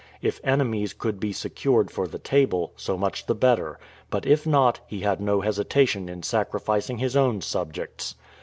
If enemies could be secured for the table, so much the better ; but if not, he had no hesitation in sacrificing his own subjects.